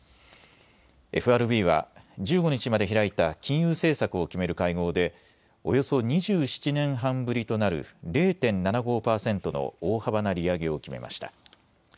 ＦＲＢは１５日まで開いた金融政策を決める会合でおよそ２７年半ぶりとなる０．７５％の大幅な利上げを決めました。